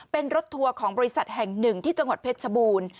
เป็นรถทัวร์ของบริษัทแห่งหนึ่งที่จังหวัดเพชรชบูรณ์